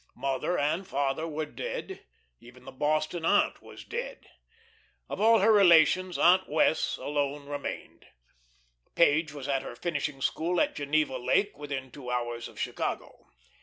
Mother and father were dead; even the Boston aunt was dead. Of all her relations, Aunt Wess' alone remained. Page was at her finishing school at Geneva Lake, within two hours of Chicago.